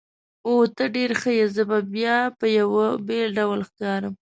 اوه، ته ډېر ښه یې، زه به بیا په یوه بېل ډول ښکارم.